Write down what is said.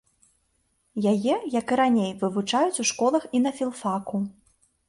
Яе, як і раней, вывучаюць у школах і на філфаку.